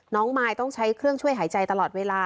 มายต้องใช้เครื่องช่วยหายใจตลอดเวลา